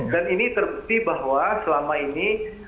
dan ini terbukti bahwa selama ini